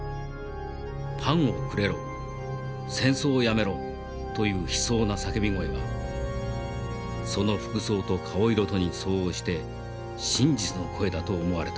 『パンをくれろ』『戦争やめろ』という悲壮な叫び声はその服装と顔色とに相応して真実の声だと思われた。